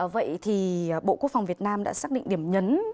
vậy thì bộ quốc phòng việt nam đã xác định điểm nhấn